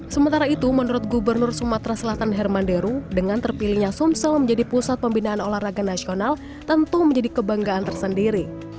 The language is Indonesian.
sementara itu menurut gubernur sumatera selatan hermanderu dengan terpilihnya sumsel menjadi pusat pembinaan olahraga nasional tentu menjadi kebanggaan tersendiri